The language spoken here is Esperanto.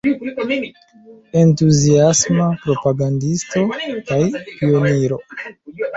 Entuziasma propagandisto kaj pioniro.